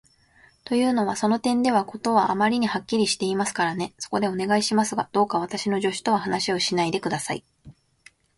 というのは、その点では事はあまりにはっきりしていますからね。そこで、お願いしますが、どうか私の助手とは話をしないで下さい。